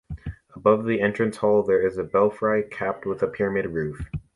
Above the entrance hall there is a belfry capped with a pyramid roof.